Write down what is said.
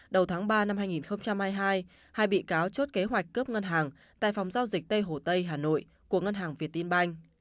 đầu tháng ba năm hai nghìn hai mươi hai hai bị cáo chốt kế hoạch cướp ngân hàng tại phòng giao dịch tây hồ tây hà nội của ngân hàng việt tiên banh